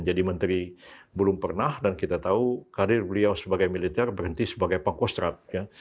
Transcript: jadi menteri belum pernah dan kita tahu kadir beliau sebagai militer berhenti sebagai pakostrat ya